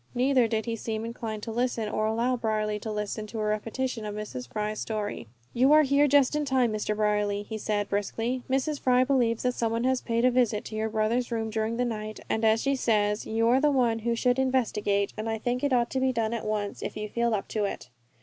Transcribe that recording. Neither did he seem inclined to listen, or allow Brierly to listen to a repetition of Mrs. Fry's story. "You are here just in time, Mr. Brierly," he said, briskly. "Mrs. Fry believes that someone has paid a visit to your brother's room during the night, and as she says, you are the one who should investigate, and I think it ought to be done at once, if you feel up to it."